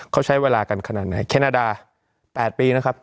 เขาใช้เวลากันขนาดไหนแคนาดา๘ปีนะครับ